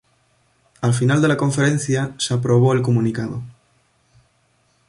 Al final de la conferencia se aprobó el comunicado.